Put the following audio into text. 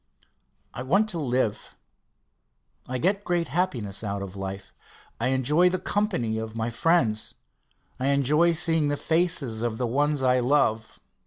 I want to live I get great happiness out of life. I enjoy the company of my friends. I enjoy seeing the faces of the ones I love.